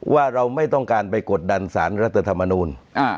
ว่าเราไม่ต้องการไปกดดันสารรัฐธรรมนูล